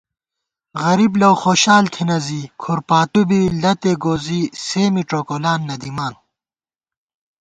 غریب لؤخوشال تھنہ زی کھُر پاتُو بی لتےگوزِی سےمی ڄوکولان نہ دِمان